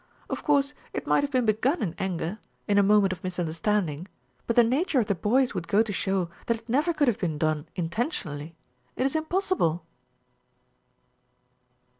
Of course it might have been begun in anger, in a moment of misunderstanding, but the nature of the boys would go to show that it never could have been done intentionally. It is impossible."